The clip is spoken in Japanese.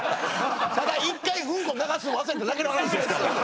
ただ一回ウンコ流すん忘れただけの話ですから。